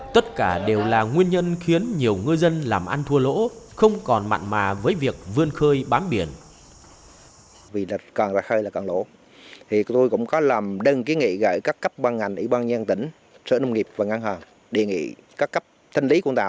tất cả đều là nguyên nhân khiến nhiều ngư dân làm ăn thua lỗ không còn mặn mà với việc vươn khơi bám biển